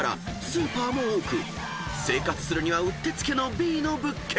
スーパーも多く生活するにはうってつけのＢの物件］